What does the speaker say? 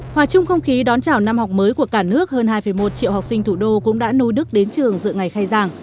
hòa chung không khí đón chào năm học mới của cả nước hơn hai một triệu học sinh thủ đô cũng đã nuôi đức đến trường dự ngày khai giảng